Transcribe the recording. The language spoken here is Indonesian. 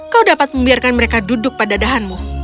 kau dapat membiarkan mereka duduk pada dahanmu